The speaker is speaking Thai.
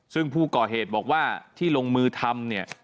ซึ่งผู้ก่อเหตุบอกว่าที่ลงมือทำเนี่ย